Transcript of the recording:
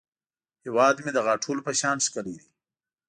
هیواد مې د غاټولو په شان ښکلی دی